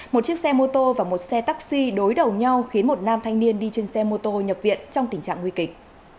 một chiếc xe mô tô và một xe taxi đối đầu nhau khiến một nam thanh niên đi trên xe mô tô nhập viện trong tình trạng nguy kịch